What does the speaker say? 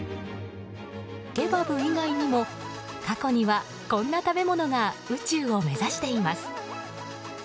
ケバブ以外にも過去にはこんな食べ物が宇宙を目指しています。